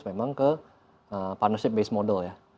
memang ke partnership base model ya